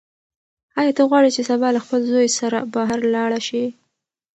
ایا ته غواړې چې سبا له خپل زوی سره بهر لاړه شې؟